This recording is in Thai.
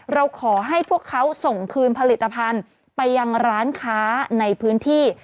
เราขอให้พวกเขาส่งคืนผลิตภัณฑ์ไปยังร้านค้าในพื้นที่